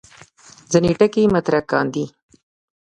ځینې ټکي مطرح کاندي.